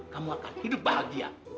kamu akan hidup bahagia